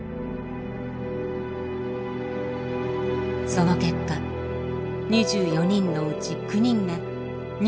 その結果２４人のうち９人が乳がんを発症。